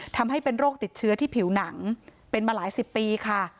ทำให้เป็นโรคติดเชื้อที่ผิวหนังเป็นมาหลายสิบปีค่ะ